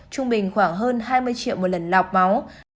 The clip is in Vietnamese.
trung bình khoảng hơn hai mươi triệu một lần lọc máu